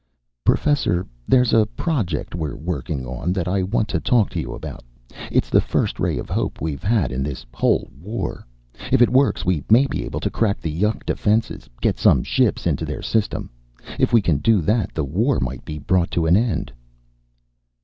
"Professor, there's a project we're working on that I want to talk to you about. It's the first ray of hope we've had in this whole war. If it works, we may be able to crack the yuk defenses, get some ships into their system. If we can do that the war might be brought to an end."